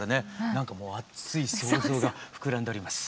何かもう熱い想像が膨らんでおります。